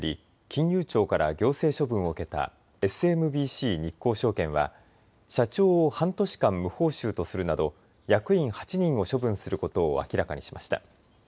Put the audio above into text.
金融庁から行政処分を受けたＳＭＢＣ日興証券は社長を半年間、無報酬とするなど役員８人を処分することを明らかにしました。